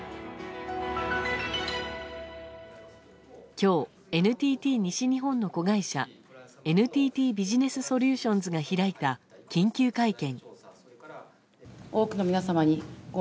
今日、ＮＴＴ西日本の子会社ＮＴＴビジネスソリューションズが開いた緊急会見。